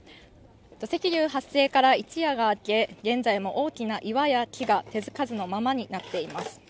土石流発生から一夜が明け現在も大きな岩や木が手つかずのままになっています。